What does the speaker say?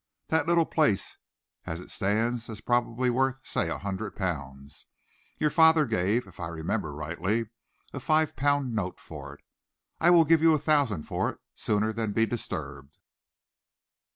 That little place, as it stands, is probably worth say a hundred pounds. Your father gave, if I remember rightly, a five pound note for it. I will give you a thousand for it sooner than be disturbed."